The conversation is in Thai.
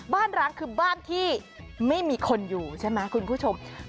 ร้างคือบ้านที่ไม่มีคนอยู่ใช่ไหมคุณผู้ชม